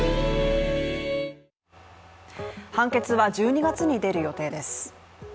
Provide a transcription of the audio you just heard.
判決は１２月に出る予定です。